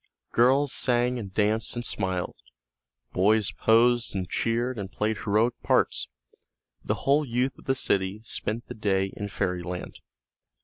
Girls sang and danced and smiled, boys posed and cheered and played heroic parts, the whole youth of the city spent the day in fairy land.